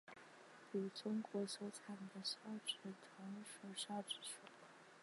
与中国所产的韶子同属韶子属。